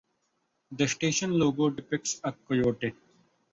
The station logo depicts a coyote.